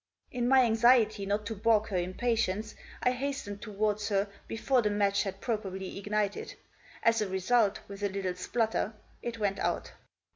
In my anxiety not to baulk her impatience I hastened towards her before the match had properly ignited ; as a result, with a little splutter, it went out.